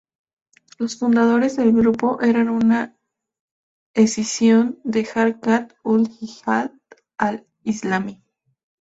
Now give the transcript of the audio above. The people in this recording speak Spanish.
Los fundadores del grupo eran una escisión de Harkat-ul-Jihad-al-Islami.